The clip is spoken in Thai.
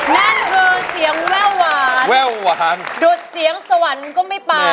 นั่นคือเสียงแว่วหวานแว่วหวานดุดเสียงสวรรค์ก็ไม่ปา